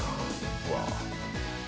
うわ。